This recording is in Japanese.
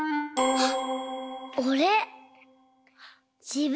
あっ！